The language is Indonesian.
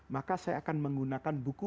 maka saya akan menggunakan buku